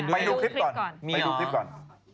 ไปดูคลิปก่อน